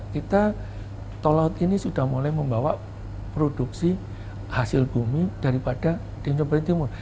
kita tol laut ini sudah mulai membawa produksi hasil bumi daripada di indonesia timur